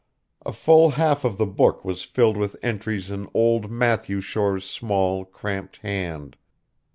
A full half of the book was filled with entries in old Matthew Shore's small, cramped hand.